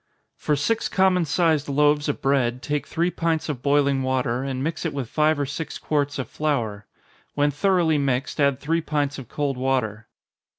_ For six common sized loaves of bread, take three pints of boiling water, and mix it with five or six quarts of flour. When thoroughly mixed, add three pints of cold water.